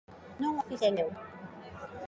Non o fixen eu.